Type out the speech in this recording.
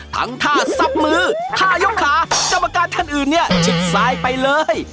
ท่าซับมือท่ายกขากรรมการท่านอื่นเนี่ยชิดซ้ายไปเลย